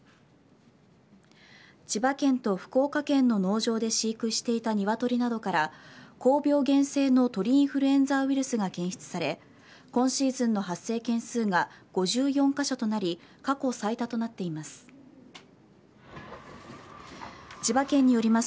千葉県と福岡県の農場で飼育していたニワトリなどから高病原性の鳥インフルエンザウイルスが検出され今シーズンの発生件数が５４カ所となり過去最多となっています。